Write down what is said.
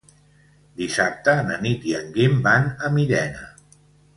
Dissabte na Nit i en Guim van a Millena.